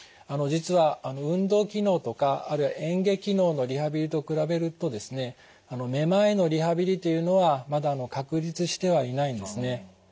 実は運動機能とかあるいは嚥下機能のリハビリと比べるとですねめまいのリハビリというのはまだ確立してはいないんですね。